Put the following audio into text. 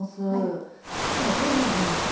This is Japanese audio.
今日はどういうものが？